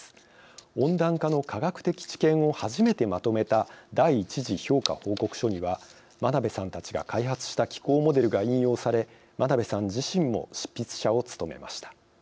温暖化の科学的知見を初めてまとめた第１次評価報告書には真鍋さんたちが開発した気候モデルが引用され真鍋さん自身も執筆者を務めました。